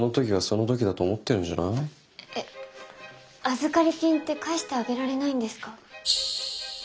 預かり金って返してあげられないんですか？